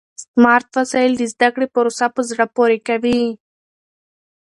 سمارټ وسایل د زده کړې پروسه په زړه پورې کوي.